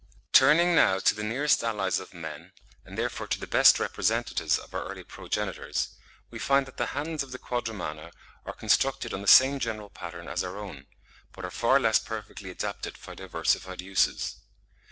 Turning now to the nearest allies of men, and therefore to the best representatives of our early progenitors, we find that the hands of the Quadrumana are constructed on the same general pattern as our own, but are far less perfectly adapted for diversified uses.